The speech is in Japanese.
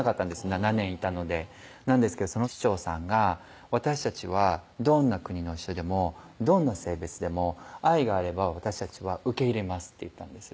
７年いたのでなんですけどその市長さんが「私たちはどんな国の人でもどんな性別でも愛があれば私たちは受け入れます」って言ったんです